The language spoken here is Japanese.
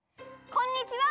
こんにちは！